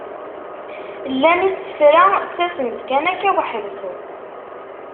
Llan yisefra ttasen-d kan akka weḥd-sen.